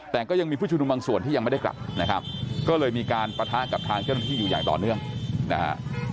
แต่ก็ยังมีผู้ชุมนุมบางส่วนที่ยังไม่ได้กลับนะครับก็เลยมีการปะทะกับทางเจ้าหน้าที่อยู่อย่างต่อเนื่องนะฮะ